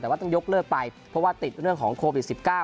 แต่ว่าต้องยกเลิกไปเพราะว่าติดเรื่องของโควิด๑๙